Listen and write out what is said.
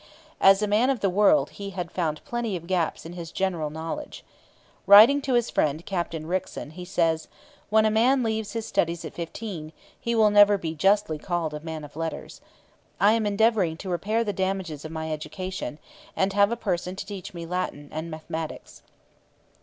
As a man of the world he had found plenty of gaps in his general knowledge. Writing to his friend Captain Rickson, he says: 'When a man leaves his studies at fifteen, he will never be justly called a man of letters. I am endeavouring to repair the damages of my education, and have a person to teach me Latin and mathematics.'